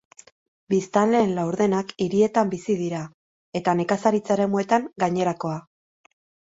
Biztanleen laurdenak hirietan bizi dira, eta nekazaritza-eremuetan gainerakoa.